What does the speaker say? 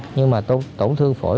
nhưng mà tổn thương phổi